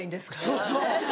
そうそう。